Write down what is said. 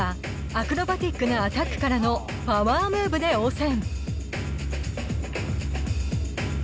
女王Ｌｏｇｉｓｔｘはアクロバティックなアタックからのパワームーブで応戦。